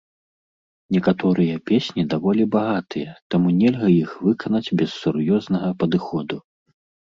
Некаторыя песні даволі багатыя, таму нельга іх выканаць без сур'ёзнага падыходу.